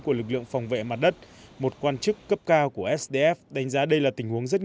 của lực lượng phòng vệ mặt đất